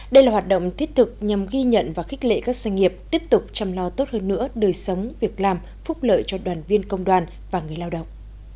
đây là hoạt động thiết thực nhằm ghi nhận và khích lệ các doanh nghiệp tiếp tục chăm lo tốt hơn nữa đời sống việc làm phúc lợi cho đoàn viên công đoàn và người lao động